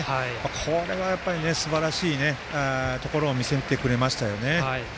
これはすばらしいところを見せてくれましたよね。